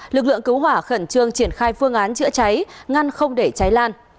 lực lượng cứu hỏa khẩn trương triển khai phương án chữa cháy ngăn không để cháy lan